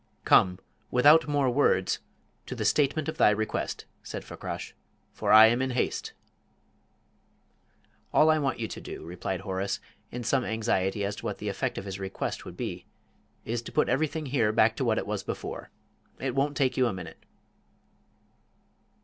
"Come without more words to the statement of thy request," said Fakrash, "for I am in haste." "All I want you to do," replied Horace, in some anxiety as to what the effect of his request would be, "is to put everything here back to what it was before. It won't take you a minute."